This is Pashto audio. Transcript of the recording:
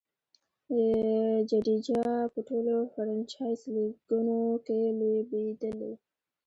جډیجا په ټولو فرنچائز لیګونو کښي لوبېدلی.